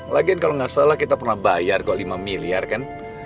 lagian kalau nggak salah kita pernah bayar kok lima miliar kan